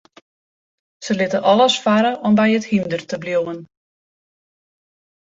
Se litte alles farre om by it hynder te bliuwen.